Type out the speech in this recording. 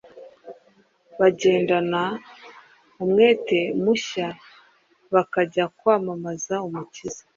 bagendana umwete mushya bakajya kwamamaza Umukiza.